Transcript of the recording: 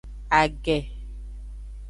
Age.